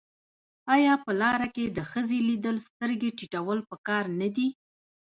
آیا په لار کې د ښځې لیدل سترګې ټیټول پکار نه دي؟